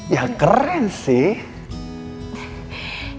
ya keren sih